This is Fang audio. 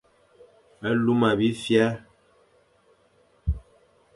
Luma bifer,